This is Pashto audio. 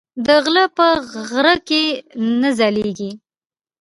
دغله په غره کی نه ځاييږي